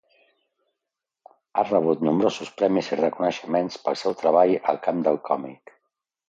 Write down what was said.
Ha rebut nombrosos premis i reconeixements pel seu treball al camp del còmic.